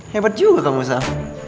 hebat juga kamu sal